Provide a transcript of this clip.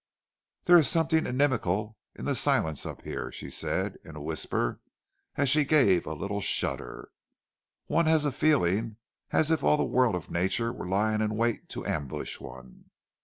"There is something inimical in the silence up here," she said in a whisper, as she gave a little shudder. "One has a feeling as if all the world of nature were lying in wait to ambush one."